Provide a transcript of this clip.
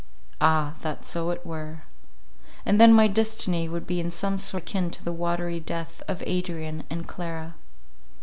Ah! that so it were; and then my destiny would be in some sort akin to the watery death of Adrian and Clara.